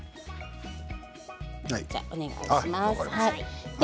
お願いします。